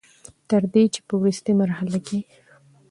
تر دې چې په ورورستۍ مرحله کښې